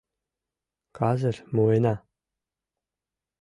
Казыр муына.